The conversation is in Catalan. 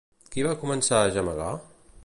Qui va començar a gemegar?